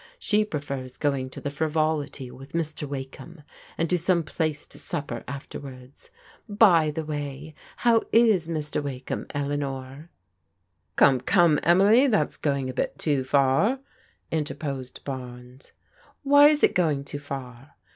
She prefers going to the Frivolity with Mr. Wakeham, and to some place to supper afterwards. By the way, how is Mr. Wakeham, Eleanor? "" Come, come, Emily, that's going a bit too far," m terposed Barnes. " Why is it going too far?